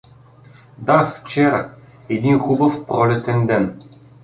Да, вчера, един хубав пролетен ден.